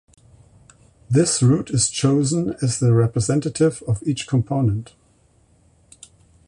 This root is chosen as the representative of each component.